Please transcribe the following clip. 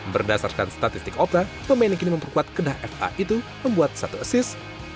berdasarkan statistik opra pemain yang kini memperkuat kedah fa itu membuat satu asis